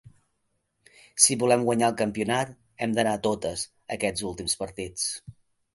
Si volem guanyar el campionat, hem d'anar a totes aquests últims partits.